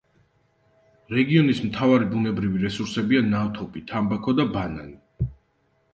რეგიონის მთავარი ბუნებრივი რესურსებია: ნავთობი, თამბაქო და ბანანი.